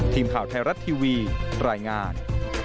ทีมข่าวไทยรัฐทีวีรายงาน